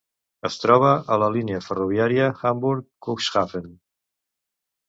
Es troba a la línia ferroviària Hamburg-Cuxhaven.